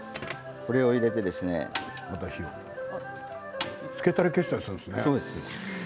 火をつけたり消したりするんですね。